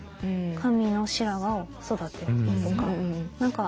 髪の白髪を育てるとか。